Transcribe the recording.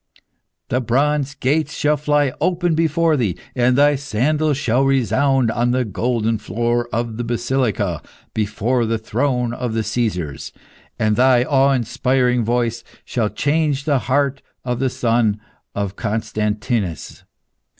The bronze gates shall fly open before thee, and thy sandals shall resound on the golden floor of the basilica before the throne of the Caesars, and thy awe inspiring voice shall change the heart of the son of Constantinus.